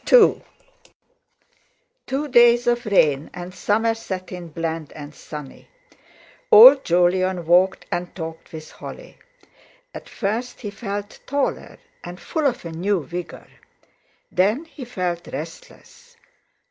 II Two days of rain, and summer set in bland and sunny. Old Jolyon walked and talked with Holly. At first he felt taller and full of a new vigour; then he felt restless.